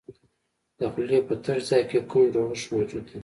د خولې په تش ځای کې کوم جوړښت موجود دی؟